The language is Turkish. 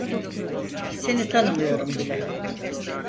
Seni tanımıyorum bile.